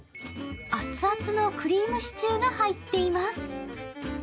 アッツアツのクリームシチューが入ってます。